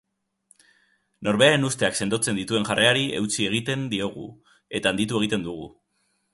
Norberaren usteak sendotzen dituen jarrerari eutsi egiten diogu eta handitu egiten dugu.